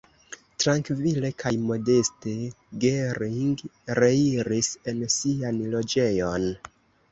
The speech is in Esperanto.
Trankvile kaj modeste Gering reiris en sian loĝejon.